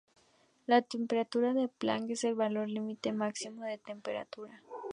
La temperatura de Planck es el valor límite máximo de temperatura.